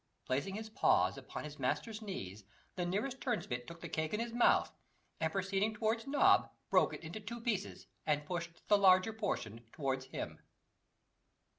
Placing his paws upon his master's knees, the nearest turnspit took the cake in his mouth, and proceeding towards Nob, broke it into two pieces, and pushed the larger portion towards him.